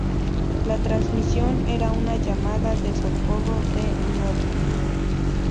La transmisión era una llamada de socorro de Noodle.